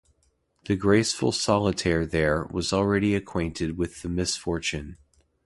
The graceful solitaire there, was already acquainted with the misfortune.